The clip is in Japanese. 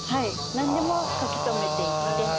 なんでも書き留めていって。